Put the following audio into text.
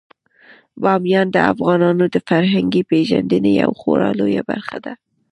بامیان د افغانانو د فرهنګي پیژندنې یوه خورا لویه برخه ده.